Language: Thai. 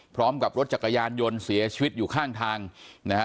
พร้อมกับรถจักรยานยนต์เสียชีวิตอยู่ข้างทางนะฮะ